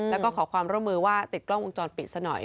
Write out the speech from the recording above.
แล้วก็ขอความร่วมมือว่าติดกล้องวงจรปิดซะหน่อย